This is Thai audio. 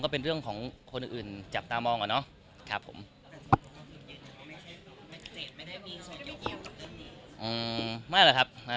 เป็นเรื่องของคนอื่นจับตามองอ่ะเนาะ